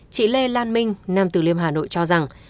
chị lê lan minh nam từ liêm hà nội cho rằng